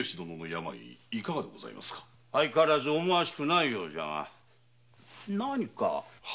相変わらず思わしくないようじゃが何か？